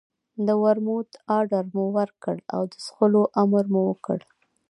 د ورموت اډر مو ورکړ او د څښلو امر مو وکړ.